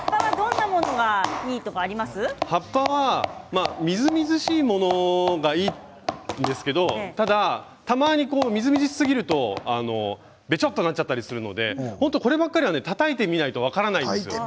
葉っぱはみずみずしいものがいいんですけどただ、たまにみずみずしすぎるとべちゃっとなってしまうのでこればかりは、たたいてみないと分からないです。